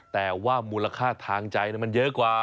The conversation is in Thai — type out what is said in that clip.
แต่ว่ามูลค่าทางใจมันเยอะกว่า